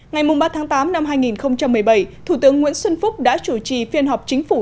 ngày ba tháng tám năm hai nghìn một mươi bảy thủ tướng nguyễn xuân phúc đã chủ trì phiên họp chính phủ